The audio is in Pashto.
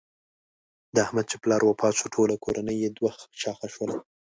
د احمد چې پلار وفات شو ټوله کورنۍ یې دوه شاخه شوله.